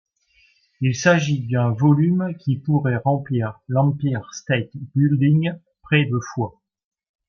Il s'agit d'un volume qui pourrait remplir l'Empire State Building près de fois.